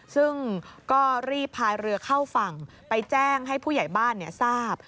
ซึ่งก็รีบพายเรือเข้าฝั่งไปแจ้งให้ผู้ใหญ่บ้านทราบ